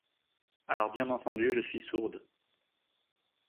Alors bien entendu, je suis sourde.